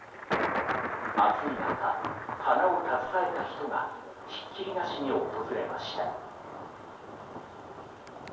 暑い中、花を携えた人がひっきりなしに訪れました。